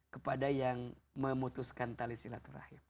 kepada yang memutuskan tali silaturahim